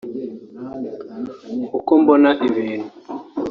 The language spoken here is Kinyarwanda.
uko mbona ibintu